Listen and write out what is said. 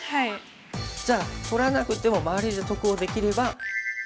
じゃあ取らなくても周りで得をできれば。